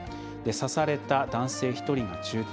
刺された男性１人が重体。